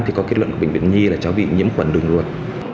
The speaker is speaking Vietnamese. thì có kết luận của bệnh viện nhi là cháu bị nhiễm khuẩn đường ruột